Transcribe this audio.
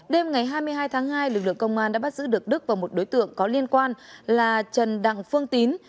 đêm ngày hai mươi hai tháng hai lực lượng công an đã bắt giữ được đức và một đối tượng có liên quan là trần đặng phương tín